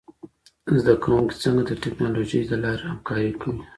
زده کوونکي څنګه د ټکنالوژۍ له لاري همکاري کوي؟